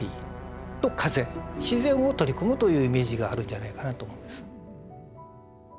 自然を取り込むというイメージがあるんじゃないかなと思うんです。